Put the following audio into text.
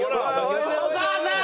お母さーん！